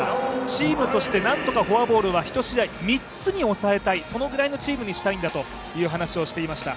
チームとして何とかフォアボールは１試合３つに抑えたい、そのぐらいのチームにしたいんだという話をしていました。